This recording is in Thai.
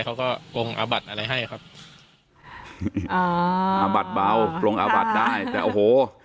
เขาก็กรงอาบัดอะไรให้ครับอ่าอาบัดเบาปรงอาบัดได้แต่โอ้โห